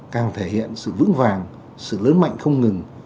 càng thể hiện sự vững vàng sự lớn mạnh không ngừng